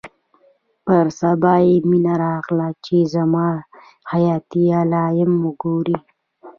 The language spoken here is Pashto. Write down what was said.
پر سبا يې مينه راغله چې زما حياتي علايم وګوري.